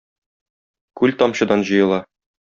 Күл тамчыдан җыела.